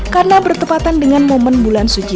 karena bertepatan dengan momen bulan suci